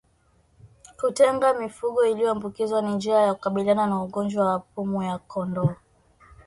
Kutenga mifugo iliyoambukizwa ni njia ya kukabiliana na ugonjwa wa pumu ya kondoo